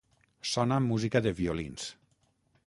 Sona música de violins.